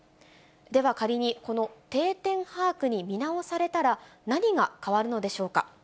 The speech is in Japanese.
では仮に、この定点把握に見直されたら、何が変わるのでしょうか。